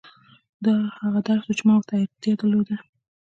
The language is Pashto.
دا هغه درس و چې ما ورته اړتيا درلوده.